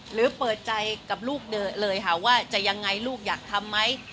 หรือเปิดใจกับลูกเลยค่ะว่าจะยังไงลูกอยากทำไหม